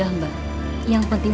om terima kasih